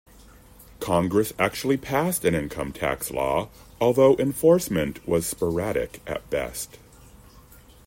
Congress actually passed an income tax law, although enforcement was sporadic at best.